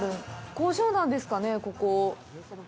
工場なんですかね、ここ。